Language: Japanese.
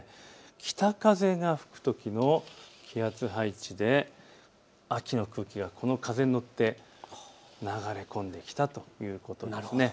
北風が吹くときの気圧配置で秋の空気がこの風に乗って流れ込んできたということです。